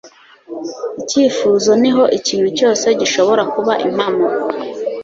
icyifuzo niho ikintu cyose gishobora kuba impamo